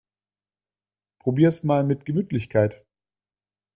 Probier's mal mit Gemütlichkeit!